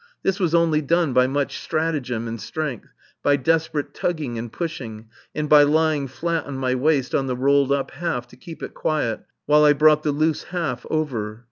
This was only done by much stratagem and strength, by desperate tugging and pushing, and by lying flat on my waist on the rolled up half to keep it quiet while I brought the loose half over.